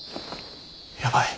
やばい。